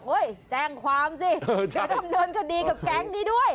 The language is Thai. แจ้งความสิเดี๋ยวดำเนินคดีกับแก๊งนี้ด้วย